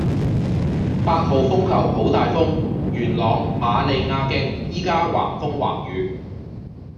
八號風球好大風，元朗瑪利亞徑依家橫風橫雨